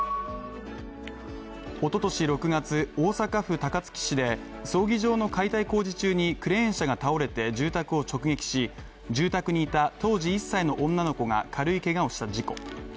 おととし６月、大阪府高槻市で葬儀場の解体工事中にクレーン車が倒れて、住宅を直撃し住宅にいた当時１歳の女の子が軽いけがをした事故。